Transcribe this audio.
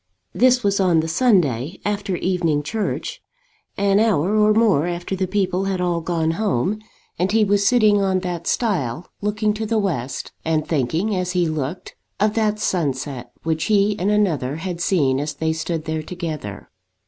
This was on the Sunday, after evening church, an hour or more after the people had all gone home, and he was sitting on that stile, looking to the west, and thinking, as he looked, of that sunset which he and another had seen as they stood there together.